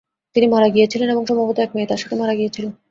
তিনি মারা গিয়েছিলেন এবং সম্ভবত এক মেয়ে তাঁর সাথে মারা গিয়েছিলেন।